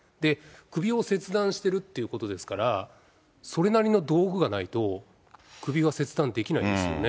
首を切断してるっていうことですから、それなりの道具がないと、首は切断できないですよね。